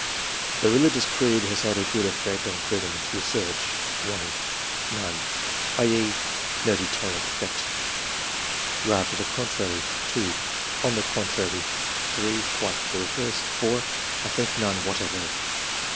] The religious ereed has had a good effect on freedom of research. — 1. "None [i.e. up deter rent effect] ; rather the contrary." 2. '^Onthe contrary." 3. " Quite the reverse." 4. " I think none whatever.